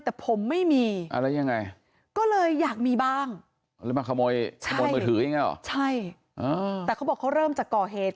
แต่ผมไม่มีก็เลยอยากมีบ้างใช่แต่เขาบอกเขาเริ่มจากก่อเหตุ